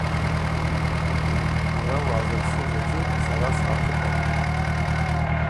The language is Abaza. Уара угӏазырсыз адзы сара сгӏахъыпатӏ.